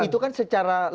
itu kan secara logis